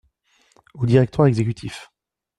Au directoire exécutif.